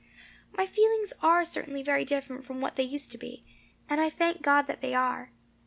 "My feelings are certainly very different from what they used to be, and I thank God that they are.